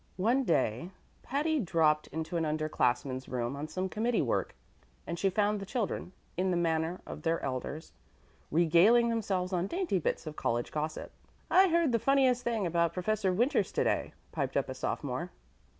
One day Patty dropped into an under classman's room on some committee work, and she found the children, in the manner of their elders, regaling themselves on dainty bits of college gossip. "I heard the funniest thing about Professor Winters yesterday," piped up a sophomore.